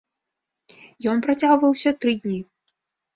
Ён працягваўся тры дні.